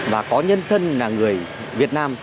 và có nhân thân là người việt nam